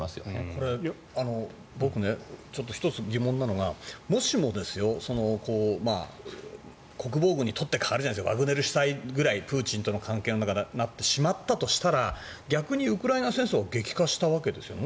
これ、僕１つ疑問なのがもしも、国防軍に取って代わるじゃないですけどワグネル主体ぐらいプーチンとの関係になってしまったら逆にウクライナ戦争は激化したわけですよね。